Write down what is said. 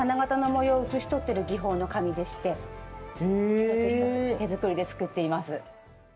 一つ一つ手作りで作っています。